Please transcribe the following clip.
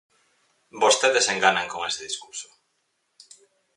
Vostedes enganan con ese discurso.